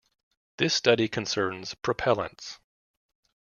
This study concerns "Propellants".